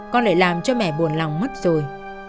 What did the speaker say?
con lại làm cho mẹ buồn lòng mất rồi